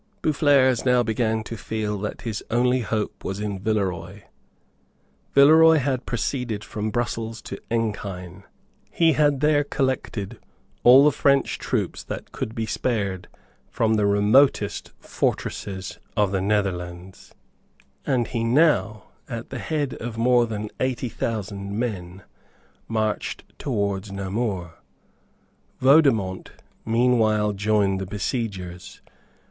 Boufflers now began to feel that his only hope was in Villeroy. Villeroy had proceeded from Brussels to Enghien; he had there collected all the French troops that could be spared from the remotest fortresses of the Netherlands; and he now, at the head of more than eighty thousand men, marched towards Namur. Vaudemont meanwhile joined the besiegers.